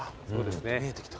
見えてきた。